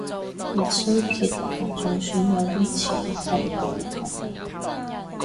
熱衰竭同中暑有啲似但又唔同